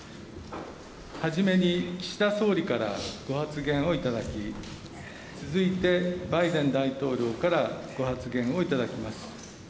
初めに岸田総理からご発言をいただき、続いてバイデン大統領からご発言をいただきます。